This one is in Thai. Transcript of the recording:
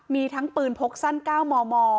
มีทั้งปืนพกสั้น๙มม